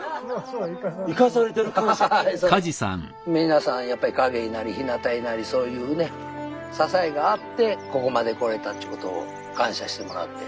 皆さんやっぱり陰になりひなたになりそういうね支えがあってここまで来れたっちゅうことを感謝してもらって。